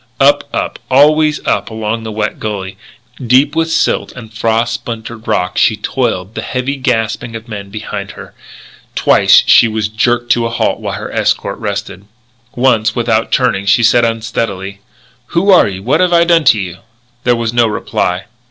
Up, up, always up along the wet gully, deep with silt and frost splintered rock, she toiled, the heavy gasping of men behind her. Twice she was jerked to a halt while her escort rested. Once, without turning, she said unsteadily: "Who are you? What have I done to you?" There was no reply.